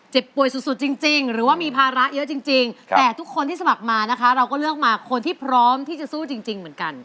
ป่วยสุดจริงหรือว่ามีภาระเยอะจริงแต่ทุกคนที่สมัครมานะคะเราก็เลือกมาคนที่พร้อมที่จะสู้จริงเหมือนกัน